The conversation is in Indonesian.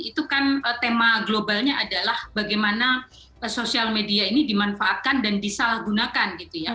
itu kan tema globalnya adalah bagaimana sosial media ini dimanfaatkan dan disalahgunakan gitu ya